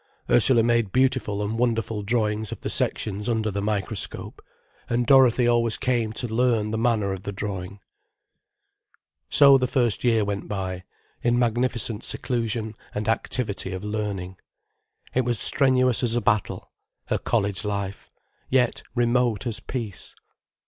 Ursula made beautiful and wonderful drawings of the sections under the microscope, and Dorothy always came to learn the manner of the drawing. So the first year went by, in magnificent seclusion and activity of learning. It was strenuous as a battle, her college life, yet remote as peace.